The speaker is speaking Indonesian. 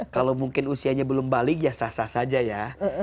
kalau mungkin usianya belum balik ya sah sah saja ya